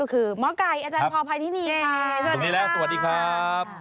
หมอไก่อาจารย์พอร์ภัยที่นี่ค่ะสวัสดีครับสวัสดีแล้วสวัสดีครับ